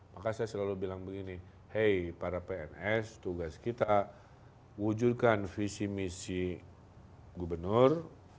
maka saya selalu bilang begini hey para pns tugas kita wujudkan visi misi gubernur